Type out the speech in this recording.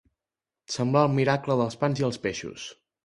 Semblar el miracle dels pans i els peixos.